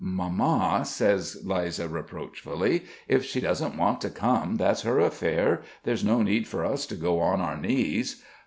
"Mamma!" says Liza reproachfully, "If she doesn't want to come, that's her affair. There's no need for us to go on our knees."